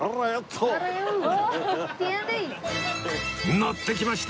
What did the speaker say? ノってきました！